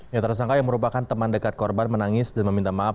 ya tersangka yang merupakan teman dekat korban menangis dan meminta maaf